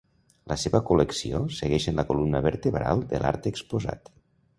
La seva col·lecció segueix sent la columna vertebral de l'art exposat.